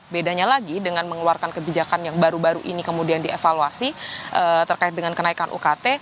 bedanya lagi dengan mengeluarkan kebijakan yang baru baru ini kemudian dievaluasi terkait dengan kenaikan ukt